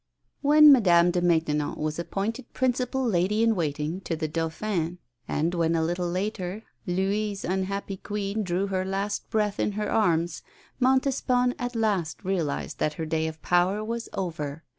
When Madame de Maintenon was appointed principal lady in waiting to the Dauphine and when, a little later, Louis' unhappy Queen drew her last breath in her arms, Montespan at last realised that her day of power was over.